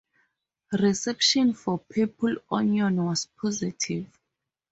Reception for "Purple Onion" was positive.